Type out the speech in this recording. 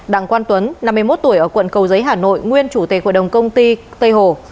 đặng quang tuấn năm mươi một tuổi ở quận cầu giấy hà nội nguyên chủ tịch hội đồng công ty tây hồ